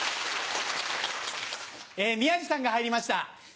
宮治さんが入りました。